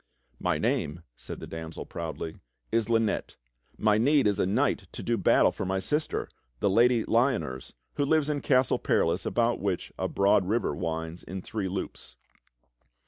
"My name," said the damsel proudly, "is Lynette; my need is a knight to do battle for my sister, the Lady Lyoners, who lives in Castle Perilous about which a broad river winds in three loops.